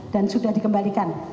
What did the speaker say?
dan sudah dikembalikan